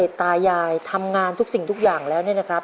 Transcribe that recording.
ตายายทำงานทุกสิ่งทุกอย่างแล้วเนี่ยนะครับ